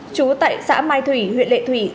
chú tại xã mai thủy huyện lệ thủy